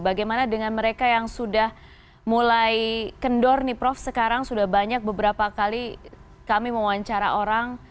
bagaimana dengan mereka yang sudah mulai kendor nih prof sekarang sudah banyak beberapa kali kami mewawancara orang